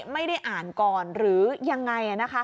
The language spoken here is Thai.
ไม่ได้อ่านก่อนหรือยังไง